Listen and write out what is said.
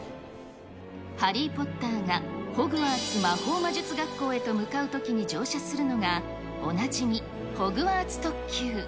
ハリー・ポッターがホグワーツ魔法魔術学校へと向かうときに乗車するのが、おなじみ、ホグワーツ特急。